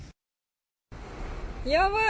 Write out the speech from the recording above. やばい。